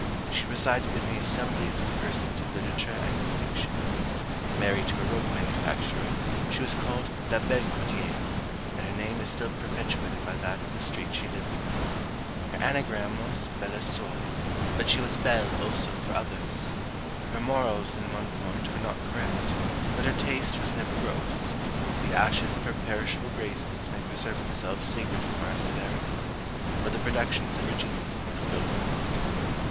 She presided in the assemblies of persons of literature and distinction. Married to a rope manufacturer, she was called La belle Cordière, and her name is still perpetuated by that of the street she lived in. Her anagram was Belle à Soy. But she was belle also for others. Her Morals in one point were not correct, but her taste was never gross: the ashes of her perishable graces may preserve themselves sacred from our severity; but the productions of her genius may still delight.